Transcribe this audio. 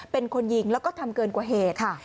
เป็นคนยิงแล้วก็ทำเกินกว่าเหตุค่ะ